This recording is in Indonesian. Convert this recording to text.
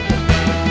ini rumahnya apaan